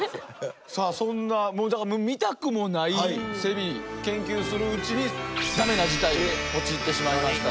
さあそんなもうだから見たくもないセミ研究するうちにだめな事態に陥ってしまいました。